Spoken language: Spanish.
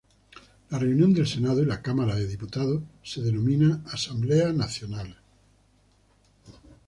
La reunión del Senado y la Cámara de Diputados se denomina Asamblea Nacional.